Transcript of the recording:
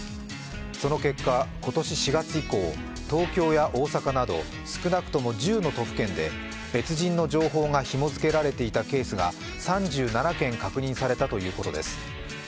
その結果、今年４月以降、東京や大阪など少なくとも１０の都府県で別人の情報がひも付けけられていたケースが３７件確認されたということです。